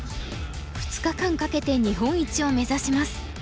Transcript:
２日間かけて日本一を目指します。